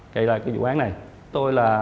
kỳ lại cái vụ án này tôi là